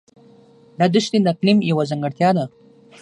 دا دښتې د اقلیم یوه ځانګړتیا ده.